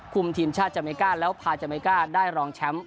คุมทีมชาติจาเมริกาแล้วพาจาเมริกาได้รองแชมป์